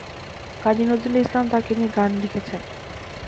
কাজী নজরুল ইসলাম তাকে নিয়ে গান লিখেছেন।